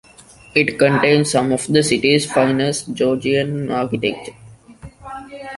It contains some of the city's finest Georgian architecture.